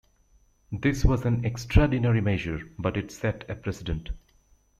This was an extraordinary measure, but it set a precedent.